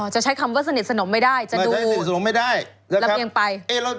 จะใช้คำว่าสนิทสนมไม่ได้จะดูระเบียงไปนะครับ